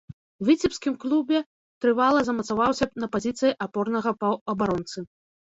У віцебскім клубе трывала замацаваўся на пазіцыі апорнага паўабаронцы.